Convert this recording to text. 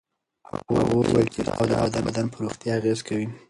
هغه وویل چې اضطراب د بدن پر روغتیا اغېز کوي.